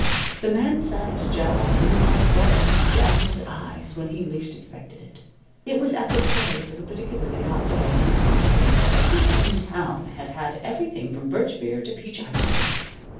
The man size job loomed up before Eddie's dazzled eyes when he least expected it. It was at the close of a particularly hot day when it seemed to Eddie that every one in town had had everything from birch beer to peach ice cream.